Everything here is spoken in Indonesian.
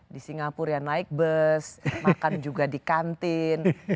di singapura yang naik bus makan juga di kantin